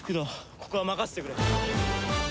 ここは任せてくれ。